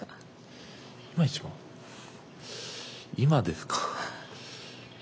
今ですか？